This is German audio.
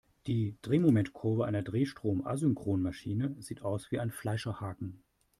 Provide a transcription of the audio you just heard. Die Drehmomentkurve einer Drehstrom-Asynchronmaschine sieht aus wie ein Fleischerhaken.